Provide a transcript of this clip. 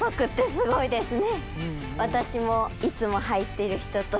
すごいんですよ。